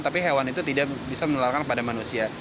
tapi hewan itu tidak bisa menularkan kepada manusia